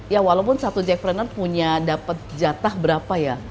ya walaupun satu jackpreneur punya dapat jatah berapa ya